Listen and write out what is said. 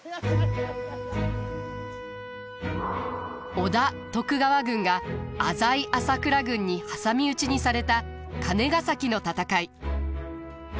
織田徳川軍が浅井朝倉軍に挟み撃ちにされた金ヶ崎の戦い。